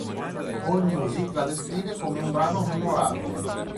AllMusic la descrive come un brano "memorabile".